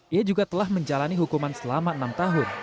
ia juga telah menjalani hukuman selama enam tahun